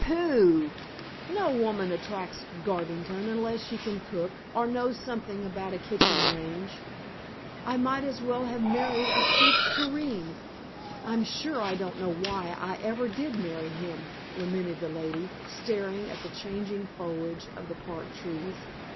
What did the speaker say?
"Pooh! No woman attracts Garvington unless she can cook, or knows something about a kitchen range. I might as well have married a soup tureen. I'm sure I don't know why I ever did marry him," lamented the lady, staring at the changing foliage of the park trees.